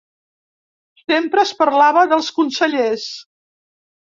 Sempre es parlava dels consellers